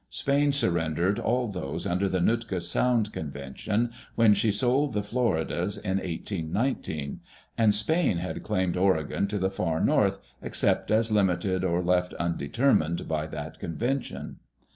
Spain surrendered all those under the Nootka Sound Con vention when she sold the Floridas in 1819; and Spain had claimed Oregon to the far north, except as limited or left undetermined by that Convention.